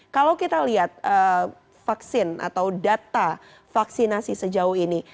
kalau kita lihat vaksin atau data vaksinasi sejauh ini